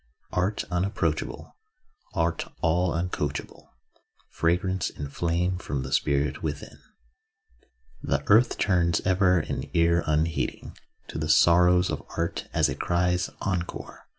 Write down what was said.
Art unapproachable, Art all uncoachable, Fragrance and flame from the spirit within. The earth turns ever an ear unheeding To the sorrows of art, as it cries 'encore.